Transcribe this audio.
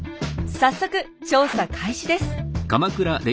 早速調査開始です。